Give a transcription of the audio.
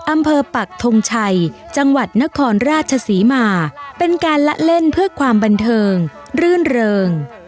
ปักทงชัยจังหวัดนครราชศรีมาเป็นการละเล่นเพื่อความบันเทิงรื่นเริง